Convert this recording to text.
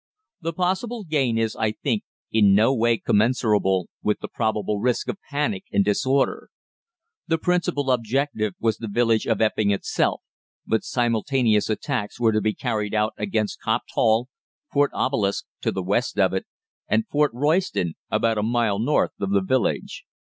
The possible gain is, I think, in no way commensurable with the probable risks of panic and disorder. The principal objective was the village of Epping itself; but simultaneous attacks were to be carried out against Copped Hall, Fort Obelisk, to the west of it, and Fort Royston, about a mile north of the village.